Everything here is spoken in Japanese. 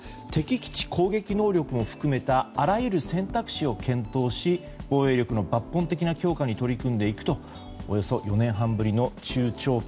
敵基地攻撃能力も含めたあらゆる選択肢を検討し防衛力の抜本的な強化に取り組んでいくとおよそ４年半ぶりの中長